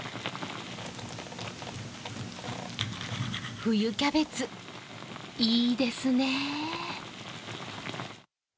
冬キャベツ、いいですねぇ。